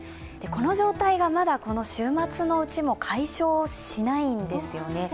この状態がまだ週末のうちも解消しないんですよね。